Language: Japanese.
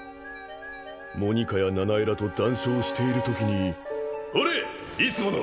モニカやナナエラと談笑しているときにほれいつもの